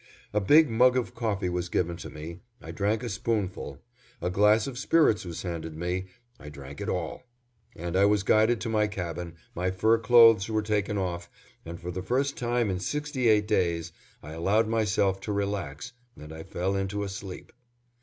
A big mug of coffee was given to me, I drank a spoonful; a glass of spirits was handed me, I drank it all, and I was guided to my cabin, my fur clothes were taken off, and for the first time in sixty eight days, I allowed myself to relax and I fell into a sleep.